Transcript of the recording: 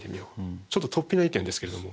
ちょっと突飛な意見ですけれども。